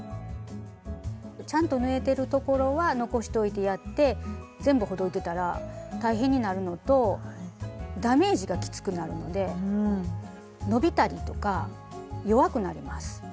ちゃんと縫えてるところは残しといてやって全部ほどいてたら大変になるのとダメージがきつくなるので伸びたりとか弱くなります。